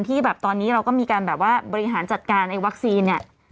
ที่แบบตอนนี้เราก็มีการแบบว่าบริหารจัดการไอ้วัคซีนเนี่ย